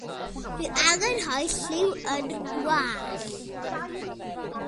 Dw i angen rhoi lliw yn 'y ngwallt.